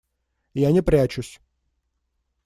Я не прячусь.